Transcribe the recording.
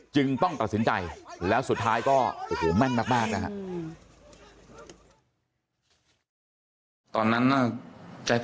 ต้องตัดสินใจแล้วสุดท้ายก็โอ้โหแม่นมากนะครับ